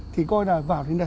thì coi là vào đến đây